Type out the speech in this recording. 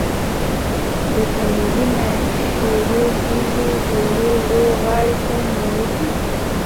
د تندي نه شورو کيږي او ورو ورو غاړو ته خوريږي